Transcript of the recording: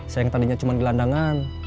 saya yang tadinya cuma di landangan